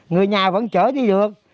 người nhà vẫn chở đi được